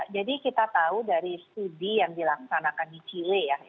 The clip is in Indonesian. jadi kita tahu dari studi yang dilaksanakan di chile ya